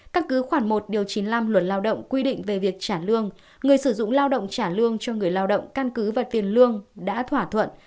căn cứ khoảng một điều chín mươi năm luật lao động quy định về việc trả lương người sử dụng lao động trả lương cho người lao động căn cứ và tiền lương đã thỏa thuận